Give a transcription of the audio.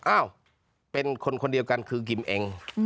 อ้าวเป็นคนคนเดียวกันคือกิมเอง